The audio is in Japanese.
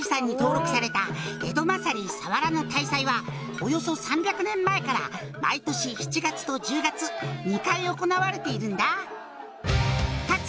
「およそ３００年前から毎年７月と１０月２回行われているんだ」